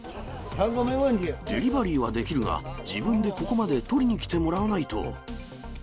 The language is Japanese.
デリバリーはできるが、自分でここまで取りに来てもらわないと。